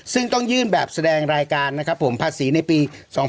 ซึ่งต้องยื่นแบบแสดงรายการนะครับผมภาษีในปี๒๕๖